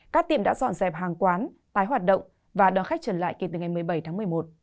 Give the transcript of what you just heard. các tiệm đã dọn dẹp hàng quán tái hoạt động và đưa khách trở lại kể từ ngày một mươi bảy tháng một mươi một